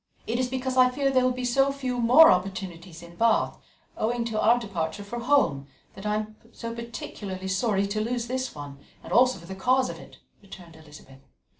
"It is because I fear there will be so few more in Bath, owing to our departure for home, that I am so particularly sorry to lose this one, and also for the cause of it," returned Elizabeth.